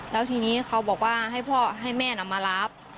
แล้วทีนี้เขาบอกว่าให้พ่อให้แม่นำมารับ